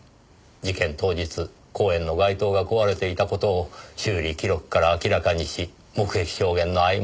事件当日公園の街灯が壊れていた事を修理記録から明らかにし目撃証言の曖昧さを指摘。